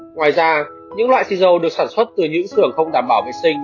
ngoài ra những loại thịt dầu được sản xuất từ những sưởng không đảm bảo vệ sinh